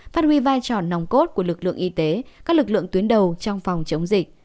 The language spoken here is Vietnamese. phát huy vai trò nòng cốt của lực lượng y tế các lực lượng tuyến đầu trong phòng chống dịch